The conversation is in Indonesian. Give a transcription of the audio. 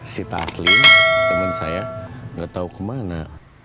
si taslim temen saya nggak tahu ke mana